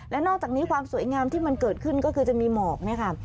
และนอกจากนี้ความสวยงามที่มันเกิดขึ้นก็คือจะมีหมอกเนี่ยค่ะ